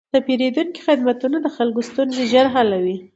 د پېرودونکو خدمتونه د خلکو ستونزې ژر حلوي.